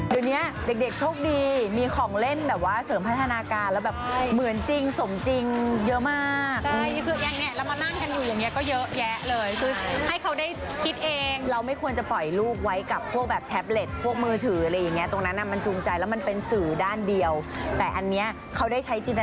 เดี๋ยวเนี้ยเด็กเด็กโชคดีมีของเล่นแบบว่าเสริมพัฒนาการแล้วแบบเหมือนจริงสมจริงเยอะมากแล้วมานั่งกันอยู่อย่างเงี้ก็เยอะแยะเลยคือให้เขาได้คิดเองเราไม่ควรจะปล่อยลูกไว้กับพวกแบบแท็บเล็ตพวกมือถืออะไรอย่างเงี้ตรงนั้นมันจูงใจแล้วมันเป็นสื่อด้านเดียวแต่อันนี้เขาได้ใช้จินต